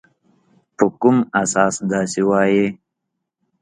په کوم اساس داسي وایې ؟